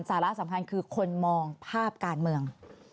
สาระสำคัญคือคนมองภาพการเมือง